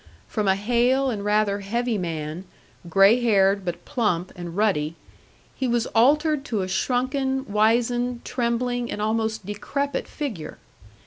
From a hale, and rather heavy man, gray haired, but plump, and ruddy, he was altered to a shrunken, wizened, trembling, and almost decrepit figure.